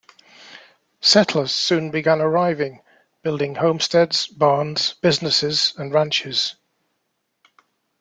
Settlers soon began arriving, building homesteads, barns, businesses, and ranches.